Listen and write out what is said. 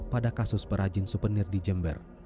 pada kasus perajin suvenir di jember